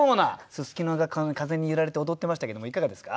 すすきが風に揺られて踊ってましたけどもいかがですか？